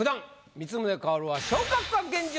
光宗薫は昇格か⁉現状